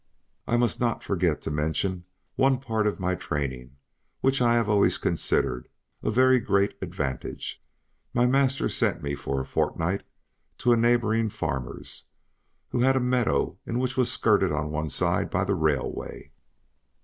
I must not forget to mention one part of my training, which I have always considered a very great advantage. My master sent me for a fortnight to a neighboring farmer's, who had a meadow which was skirted on one side by the railway.